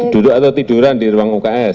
duduk atau tiduran di ruang uks